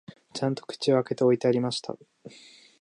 ちゃんと口を開けて置いてありました